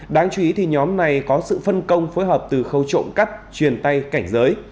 đáng chú ý thì nhóm này có sự phân công phối hợp từ khâu trộm cắp truyền tay cảnh giới